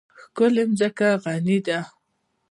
ښکلې مځکه غني ده.